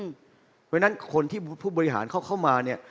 เพราะฉะนั้นคนที่ผู้บริหารเขาเข้ามาเนี่ย